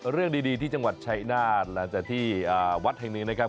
เรื่องดีที่จังหวัดชายนาฏหลังจากที่วัดแห่งนี้นะครับ